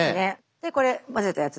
でこれまぜたやつね？